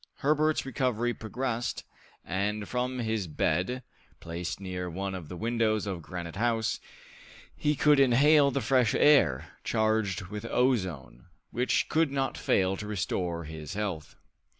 Herbert's recovery progressed, and from his bed, placed near one of the windows of Granite House, he could inhale the fresh air, charged with ozone, which could not fail to restore his health.